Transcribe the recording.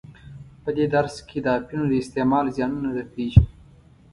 په دې درس کې د اپینو د استعمال زیانونه در پیژنو.